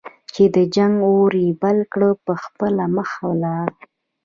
چې د جنګ اور یې بل کړ په خپله مخه ولاړ.